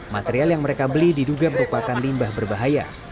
material yang mereka beli diduga merupakan limbah berbahaya